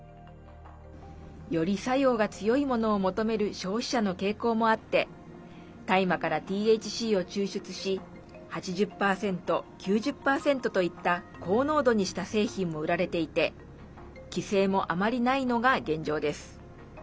より作用が強いものを求める消費者の傾向もあって大麻からＴＨＣを抽出し８０％、９０％といった高濃度にした製品も売られていて規制も、あまりないのが現状です。